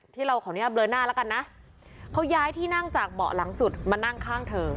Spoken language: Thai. ขออนุญาตเบลอหน้าแล้วกันนะเขาย้ายที่นั่งจากเบาะหลังสุดมานั่งข้างเธอ